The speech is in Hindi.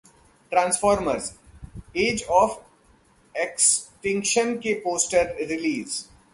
ट्रांसफॉर्मर्सः एज ऑफ एक्सटिंक्शन के पोस्टर रिलीज